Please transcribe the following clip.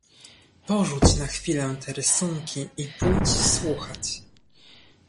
"porzuć na chwilę te rysunki i pójdź słuchać."